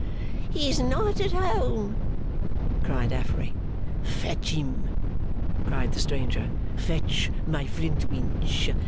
'He's not at home,' cried Affery. 'Fetch him!' cried the stranger. 'Fetch my Flintwinch!